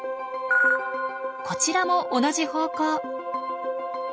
こちらも同じ方向。